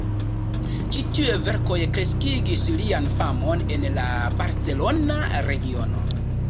Ĉi tiuj verkoj kreskigis lian famon en la barcelona regiono.